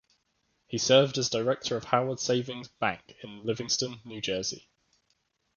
He served as director of Howard Savings Bank in Livingston, New Jersey.